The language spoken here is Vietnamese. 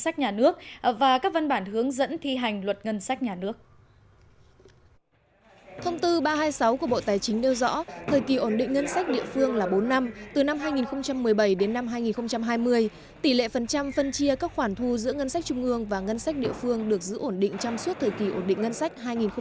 từ ba hai sáu của bộ tài chính đeo rõ thời kỳ ổn định ngân sách địa phương là bốn năm từ năm hai nghìn một mươi bảy đến năm hai nghìn hai mươi tỷ lệ phần trăm phân chia các khoản thu giữa ngân sách trung ương và ngân sách địa phương được giữ ổn định trong suốt thời kỳ ổn định ngân sách hai nghìn một mươi bảy hai nghìn hai mươi